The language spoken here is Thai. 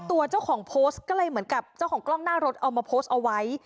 ตัวเจ้าของโพสต์ก็เลยเหมือนกับเจ้าของกล้องหน้ารถเอามาโพสต์เอาไว้